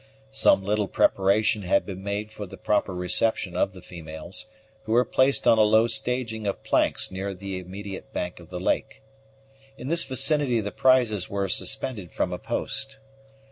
Some little preparation had been made for the proper reception of the females, who were placed on a low staging of planks near the immediate bank of the lake. In this vicinity the prizes were suspended from a post.